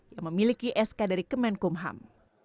yang memiliki sk dari kemenkumham